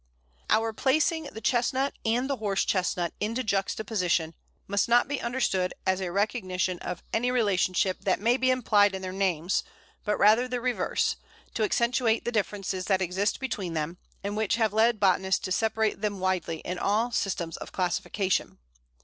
Our placing the Chestnut and the Horse Chestnut into juxtaposition must not be understood as a recognition of any relationship that may be implied in their names, but rather the reverse to accentuate the differences that exist between them, and which have led botanists to separate them widely in all systems of classification.